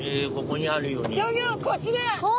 こちら！